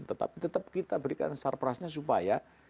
tetap kita berikan surplusnya supaya